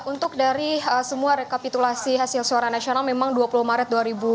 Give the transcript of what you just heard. untuk dari semua rekapitulasi hasil suara nasional memang dua puluh maret dua ribu dua puluh